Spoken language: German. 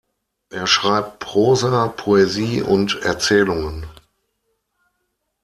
Er schreibt Prosa, Poesie und Erzählungen.